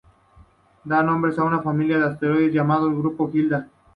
Da nombre a una familia de asteroides llamados grupo de Hilda